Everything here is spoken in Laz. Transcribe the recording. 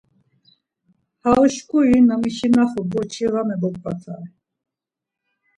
Ham uşkuri na mişinaxu boçi var meboǩvatare.